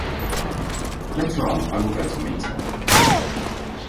Later on I will go to meet him.